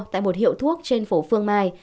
tại một hiệu thuốc trên phố phương mai